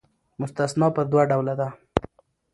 مستثنی پر دوه ډوله ده.